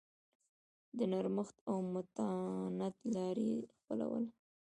د نرمښت او متانت لار یې خپلوله.